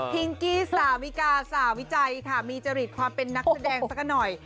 งกี้สาวิกาสาวิจัยค่ะมีจริตความเป็นนักแสดงสักหน่อย